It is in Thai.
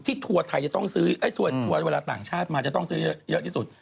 ที่ตัวต่างชาติมาจะต้องซื้อเยอะที่สุด